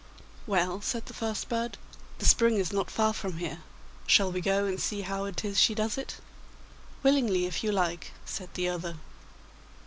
'Well,' said the first bird, 'the spring is not far from here. Shall we go and see how it is she does it?' 'Willingly, if you like,' said the other.